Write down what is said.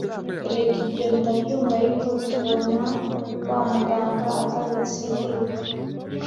erega ibyo ndabyumva ariko, tubona wa muganga agarutse yiruka